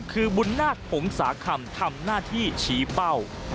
คือบุญนาคหงษาคำทำหน้าที่ชี้เป้า